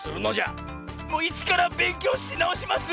いちからべんきょうしなおします！